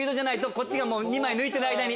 こっちが２枚抜いてる間に。